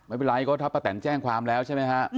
ไม่เป็นไรก็ถ้าป้าแตนแจ้งความแล้วใช่ไหมฮะ